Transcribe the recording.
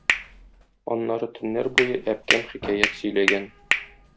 Аннары төннәр буе әбкәм хикәят сөйләгән.